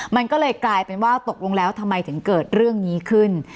มันก็เลยกลายเป็นว่าตกลงแล้วทำไมถึงเกิดเรื่องนี้ขึ้น